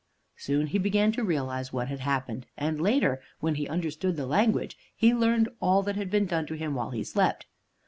Soon he began to realize what had happened; and later, when he understood the language, he learned all that had been done to him while he slept.